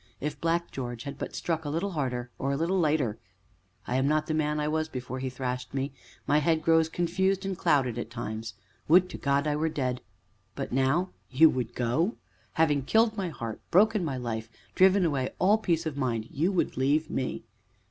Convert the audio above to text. If Black George had but struck a little harder or a little lighter; I am not the man I was before he thrashed me; my head grows confused and clouded at times would to God I were dead! But now you would go! Having killed my heart, broken my life, driven away all peace of mind you would leave me!